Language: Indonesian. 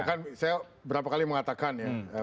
kan saya berapa kali mengatakan ya